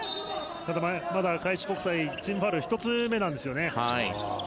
ただ、まだ開志国際チームファウルは１つ目なんですよね。